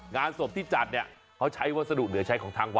งานศพที่จัดเนี่ยเขาใช้วัสดุเหลือใช้ของทางวัด